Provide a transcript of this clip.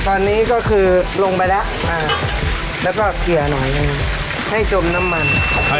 ตอนนี้ลงไปแหละ